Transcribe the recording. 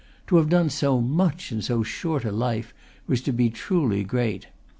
To have done so much in so short a life was to be truly great.